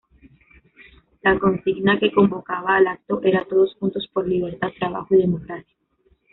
La consigna que convocaba al acto era: "Todos juntos por libertad, trabajo y democracia".